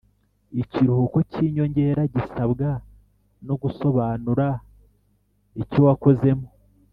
Ikiruhuko cy ‘inyongera gisabwa no gusobanura icyowakozemo